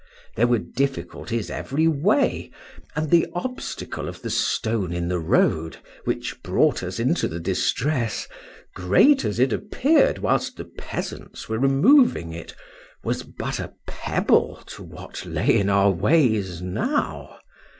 —There were difficulties every way,—and the obstacle of the stone in the road, which brought us into the distress, great as it appeared whilst the peasants were removing it, was but a pebble to what lay in our ways now.